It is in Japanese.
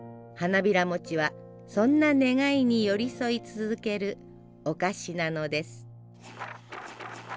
花びらもちはそんな願いに寄り添い続けるお菓子なのです。